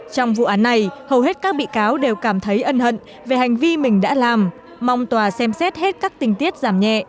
trong vụ án này hầu hết các bị cáo đều cảm thấy ân hận về hành vi mình đã làm mong tòa xem xét hết các tình tiết giảm nhẹ